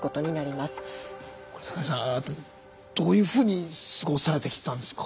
桜井さんどういうふうに過ごされてきたんですか？